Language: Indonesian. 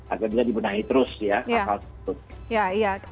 agar bisa dibenahi terus ya hal hal tersebut